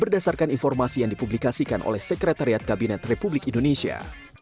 berdasarkan informasi yang dipublikasikan oleh sekretariat kabinet republik indonesia